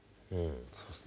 そうですね。